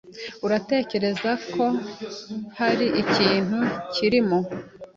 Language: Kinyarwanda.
Uratekereza ko hari ikintu kirimo?